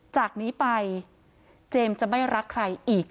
จากนี้ไปเจมส์จะไม่รักใครอีก